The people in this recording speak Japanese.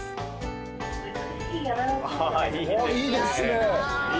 いいですね。